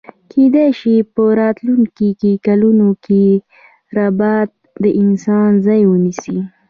کیدای شی په راتلونکي کلونو کی ربات د انسان ځای ونیسي